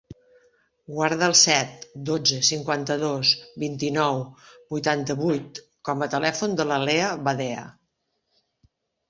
Guarda el set, dotze, cinquanta-dos, vint-i-nou, vuitanta-vuit com a telèfon de la Lea Badea.